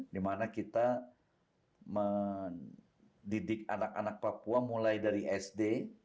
di mana kita didik anak anak papua mulai dari sd